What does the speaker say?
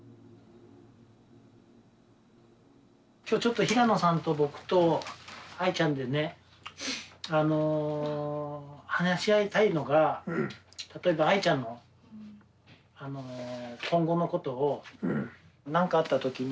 今日ちょっと平野さんと僕とアイちゃんでね話し合いたいのが例えばアイちゃんの今後のことを何かあった時に最期に。